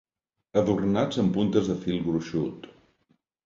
Adornats amb puntes de fil gruixut.